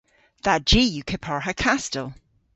Dha ji yw kepar ha kastel.